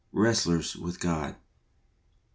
Wrestlers with God. R ev.